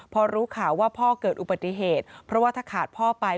พอรู้ข่าวว่าพ่อเกิดอุบัติเหตุเพราะว่าถ้าขาดพ่อไป